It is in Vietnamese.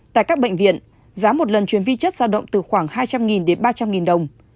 tại các bệnh viện giá một lần chuyến vi chất giao động từ khoảng hai trăm linh đến ba trăm linh đồng